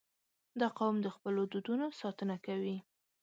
• دا قوم د خپلو دودونو ساتنه کوي.